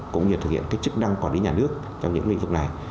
cũng như thực hiện chức năng quản lý nhà nước trong những lĩnh vực này